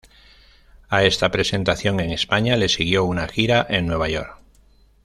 A esta presentación en España le siguió una gira en Nueva York.